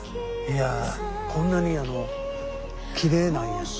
いやあこんなにきれいなんや。